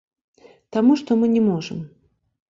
Таму што мы не можам.